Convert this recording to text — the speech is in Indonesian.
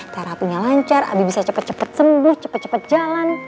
terapinya lancar abi bisa cepet cepet sembuh cepet cepet jalan